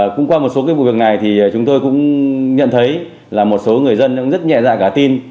cũng qua một số vụ việc này thì chúng tôi cũng nhận thấy là một số người dân rất nhẹ dạy cả tin